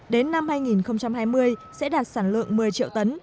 đến năm hai nghìn hai mươi sẽ đạt sản lượng một mươi triệu tấn